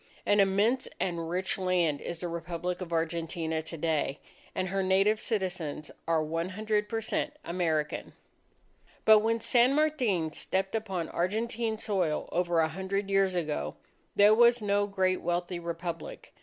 An immense and rich land is the Republic of Argentina to day; and her native citizens are one hundred per cent American! But when San Martin stepped upon Argentine soil over a hundred years ago, there was no great wealthy Republic.